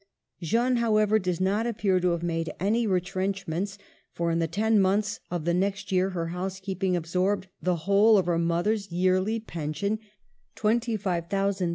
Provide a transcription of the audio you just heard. Jeanne, however, does not appear to have made any retrenchments, for in the ten months of the next year her housekeeping absorbed the whole of her mother's yearly pension, £2^,000 THE END.